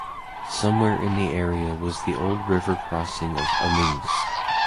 Somewhere in the area was the old river crossing of Amginsk.